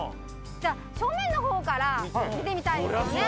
じゃあ正面の方から見てみたいですよね？